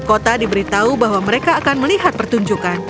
kota diberitahu bahwa mereka akan melihat pertunjukan